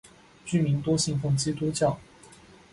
居民多信奉基督教。